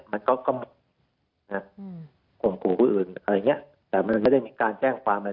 มันก็ก็หมดข่มขู่ผู้อื่นอะไรอย่างเงี้ยแต่มันไม่ได้มีการแจ้งความอะไร